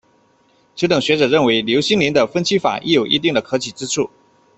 此等学者认为刘勋宁的分区法亦有一定可取之处。